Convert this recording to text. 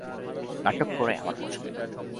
নাটক করাই আমার পছন্দ।